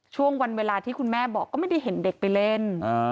ช่วงวันเวลาที่คุณแม่บอกก็ไม่ได้เห็นเด็กไปเล่น